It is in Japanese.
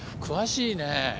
詳しいね。